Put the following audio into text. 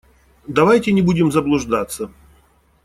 Давайте не будем заблуждаться.